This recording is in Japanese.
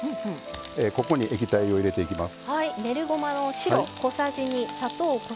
ここに液体を入れていきます。